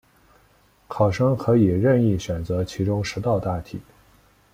考生可以任意选择其中十道大题